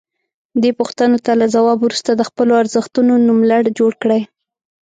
دې پوښتنو ته له ځواب وروسته د خپلو ارزښتونو نوملړ جوړ کړئ.